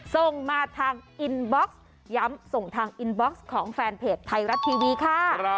ส่งมาทางอินบ็อกซ์ย้ำส่งทางอินบ็อกซ์ของแฟนเพจไทยรัฐทีวีค่ะ